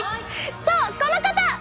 そうこの方！